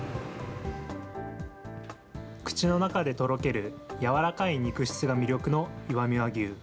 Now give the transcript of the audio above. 口の中でとろける、柔らかい肉質が魅力の石見和牛。